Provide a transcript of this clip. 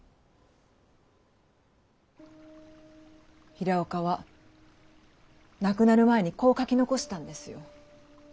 平岡は亡くなる前にこう書き残したんですよ。